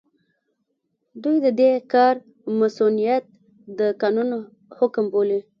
دوی د دې کار مصؤنيت د قانون حکم بولي.